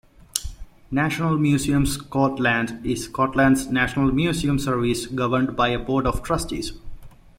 National Museums Scotland is Scotland's national museum service, governed by a board of trustees.